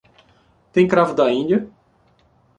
Tem cravo-da-Índia?